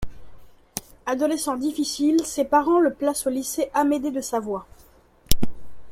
Adolescent difficile, ses parents le placent au lycée Amédée de Savoie.